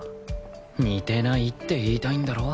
似てないって言いたいんだろ